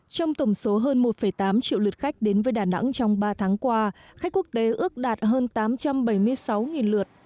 trong tổng số hơn một tám triệu lượt khách đến với đà nẵng trong ba tháng qua khách quốc tế ước đạt hơn tám trăm bảy mươi sáu lượt